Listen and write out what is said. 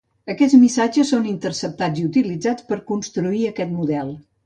Aquests missatges són interceptats i utilitzats per construir aquest model.